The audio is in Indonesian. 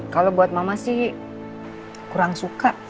kalau buat mama sih kurang suka